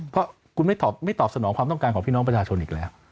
เพราะคุณไม่ตอบไม่ตอบสนองความต้องการของพี่น้องประชาชนอีกแล้ว